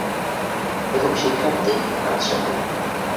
লেখক শিক্ষার্থী, রাজশাহী।